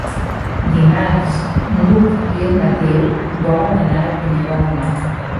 Dimarts n'Hug i en Mateu volen anar a Pineda de Mar.